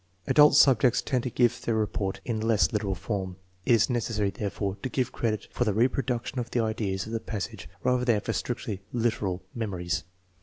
Adult subjects tend to give their report in less literal form. It is necessary, therefore, to give credit for the reproduction of the ideas of the passage rather than for strictly literal memories."